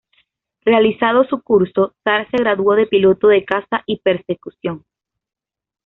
Realizado su curso, Zar se graduó de Piloto de Caza y Persecución.